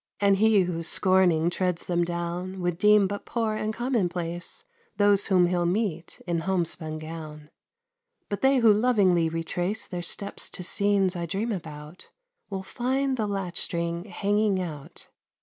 And he who scorning treads them down Would deem but poor and common place Those whom he'll meet in homespun gown. But they who lovingly retrace Their steps to scenes I dream about, Will find the latch string hanging out.